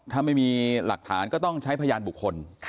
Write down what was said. ถ้าไม่มีหลักฐานก็ต้องใช้พยานบุคคล